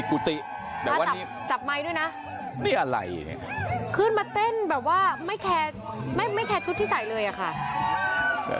ขึ้นมาเต้นแบบว่าไม่แคร์ชุดที่ใส่เลยค่ะ